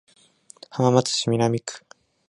浜松市南区